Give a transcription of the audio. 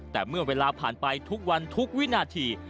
แต่เมื่อเวลาผ่านไปทุกวันทุกวินาที